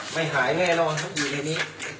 ไม่หายแน่นอนครับอยู่ในนี้